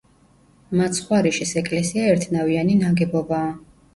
მაცხვარიშის ეკლესია ერთნავიანი ნაგებობაა.